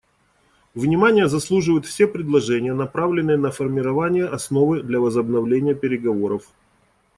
Внимания заслуживают все предложения, направленные на формирование основы для возобновления переговоров.